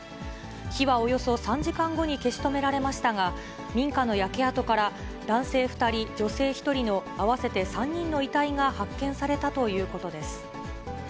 火はおよそ３時間後に消し止められましたが、民家の焼け跡から、男性２人、女性１人の、合わせて３人の遺体が発見されたということです。